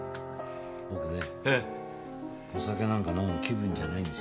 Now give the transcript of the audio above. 僕ねお酒なんか飲む気分じゃないんですよ。